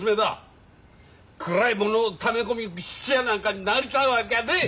蔵へ物をため込む質屋なんかになりたいわけはねえ！